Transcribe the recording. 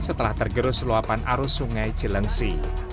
setelah tergerus luapan arus sungai cilengsi